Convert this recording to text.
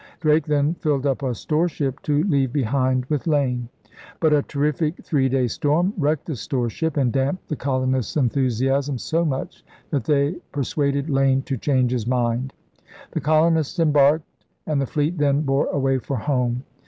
Drake then filled up a store ship to leave behind with Lane. But a terrific three day storm wrecked the store ship and damped the colonists' enthusiasm so much that they persuaded Lane to change his mind. The colonists embarked and the fleet then bore away for home.